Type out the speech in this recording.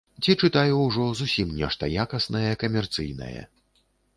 Ці чытаю ўжо зусім нешта якаснае камерцыйнае.